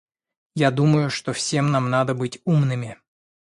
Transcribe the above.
Я думаю, что всем нам надо быть умными.